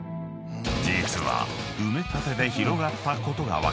［実は埋め立てで広がったことが分かる